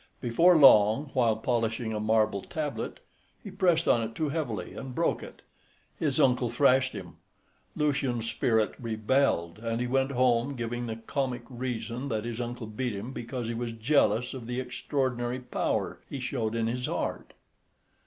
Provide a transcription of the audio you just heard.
Before long, while polishing a marble tablet he pressed on it too heavily and broke it. His uncle thrashed him. Lucian's spirit rebelled, and he went home giving the comic reason that his uncle beat him because jealous of the extraordinary power he showed in his art.